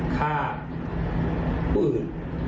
ฆ่าผู้อื่น